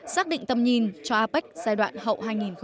xác định tầm nhìn cho apec giai đoạn hậu hai nghìn hai mươi năm